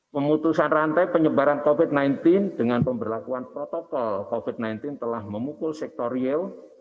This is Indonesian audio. pemutusan rantai penyebaran covid sembilan belas dengan pemberlakuan protokol covid sembilan belas telah memukul sektor real